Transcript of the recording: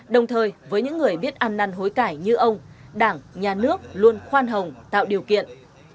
đồng thời với những người biết ăn năn hối cải như ông đảng nhà nước luôn khoan hồng tạo điều kiện